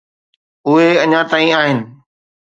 اهي اڃا تائين آهن.